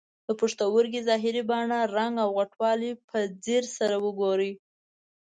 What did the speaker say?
د پښتورګي ظاهري بڼه، رنګ او غټوالی په ځیر سره وګورئ.